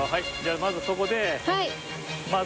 まずそこでまず。